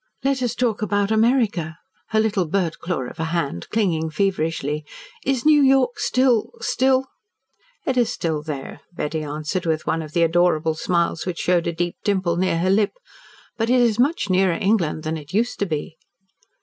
"Let us talk about America," her little birdclaw of a hand clinging feverishly. "Is New York still still " "It is still there," Betty answered with one of the adorable smiles which showed a deep dimple near her lip. "But it is much nearer England than it used to be."